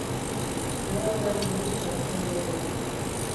Hedadura murritza izan ohi du.